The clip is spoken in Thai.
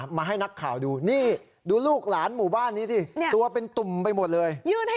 มันคันยุบยับไปหมดเลย